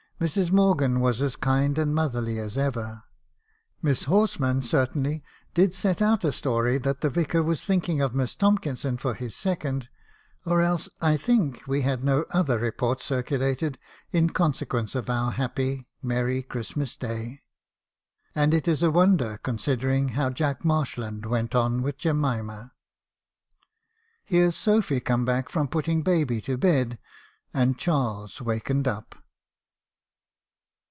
Mrs. Morgan was as kind and motherly as ever. ME. HAERISOn's CONFESSIONS. 317 Miss Horsman certainly did set out a story that the Vicar was thinking of Miss Tomkinson for his second; or else, I think, we had no other report circulated in consequence of our happy, merry Christmas day ; and it is a wonder, considering how Jack Marshland went on with Jemima. "Here Sophy came back from putting baby to bed; and Charles wakened up."